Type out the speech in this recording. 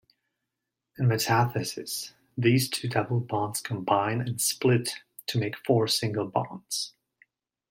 In metathesis, these two double bonds combine and split to make four single bonds.